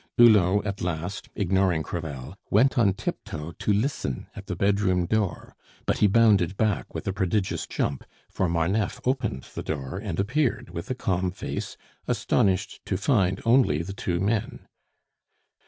Hulot, at last, ignoring Crevel, went on tiptoe to listen at the bedroom door; but he bounded back with a prodigious jump, for Marneffe opened the door and appeared with a calm face, astonished to find only the two men.